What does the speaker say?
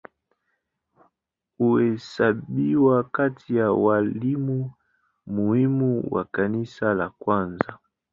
Huhesabiwa kati ya walimu muhimu wa Kanisa la kwanza.